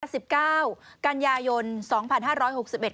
สิบเก้ากันยายนสองพันห้าร้อยหกสิบเอ็ด